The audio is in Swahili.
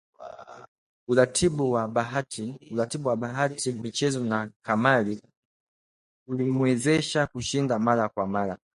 Uraibu wa Bahati katika michezo ya kamari ulimwezesha kushinda mara kwa mara,